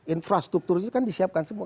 infrastruktur itu kan disiapkan semua